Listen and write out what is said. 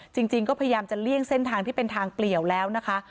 จริงก็พยายามจะเลี่ยงเส้นทางที่เป็นทางเปลี่ยวแล้วนะคะ